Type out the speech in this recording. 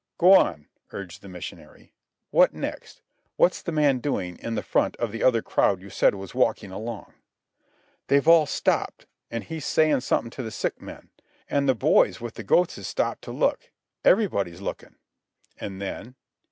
"Go on," urged the missionary. "What next? What's the man doing in the front of the other crowd you said was walking along?" "They've all stopped, an' he's sayin' something to the sick men. An' the boys with the goats 's stopped to look. Everybody's lookin'." "And then?"